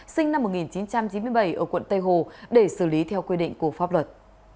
sinh năm một nghìn chín trăm chín mươi bảy ở quận tây hồ để xử lý theo quy định của pháp luật